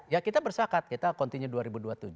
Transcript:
ya kita bersakat kita continue dua ribu dua puluh tujuh